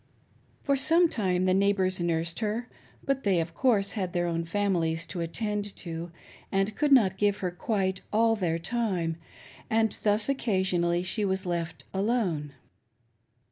For some time the neighbors nursed her ; but they, ol course, had their own families to attend to, and could not give her quite all their time, and thus occasionally she was left alone.